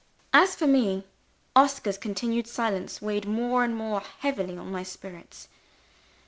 As for me, Oscar's continued silence weighed more and more heavily on my spirits.